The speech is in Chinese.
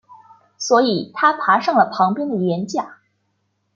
所以他爬上了旁边的岩架。